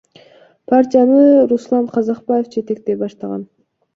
Партияны Руслан Казакбаев жетектей баштаган.